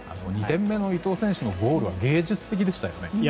２点目の伊東選手のゴールは芸術的でしたよね。